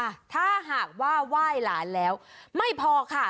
ถ้าหากว่าไหว้หลานแล้วไม่พอค่ะ